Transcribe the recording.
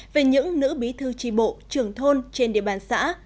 về những nữ bí thư tri bộ trưởng thôn trên địa bàn xã